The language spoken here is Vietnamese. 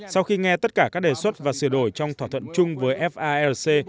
sau khi nghe tất cả các đề xuất và sửa đổi trong thỏa thuận chung với fac